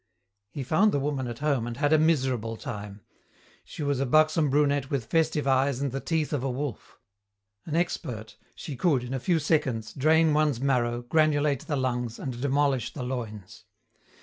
He found the woman at home and had a miserable time. She was a buxom brunette with festive eyes and the teeth of a wolf. An expert, she could, in a few seconds, drain one's marrow, granulate the lungs, and demolish the loins.